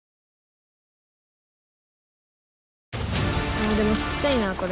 あでもちっちゃいなこれ。